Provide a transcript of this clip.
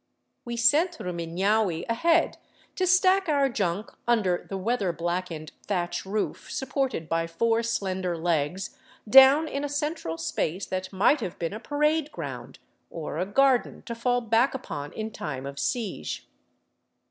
We sent Rumiiiaui ahead to stack our junk under the weather blackened thatch roof supported by four slender legs, down in a central space that might have been a parade ground or a garden to fall back upon in time of siege.